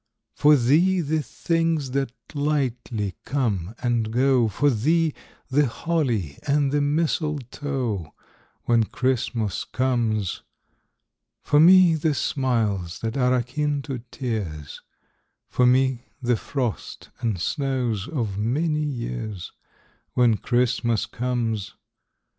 For thee, the things that lightly come and go, For thee, the holly and the mistletoe, When Christmas comes. For me, the smiles that are akin to tears, For me, the frost and snows of many years, When Christmas comes.